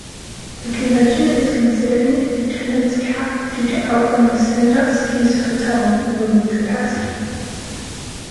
The convention is considering an attendance cap due outgrowing Sandusky's hotel room capacity.